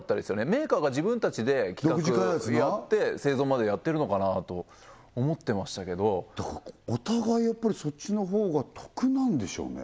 メーカーが自分たちで企画やって製造までやってるのかなと思ってましたけどお互いやっぱりそっちのほうが得なんでしょうね